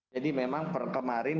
jadi memang perkemarin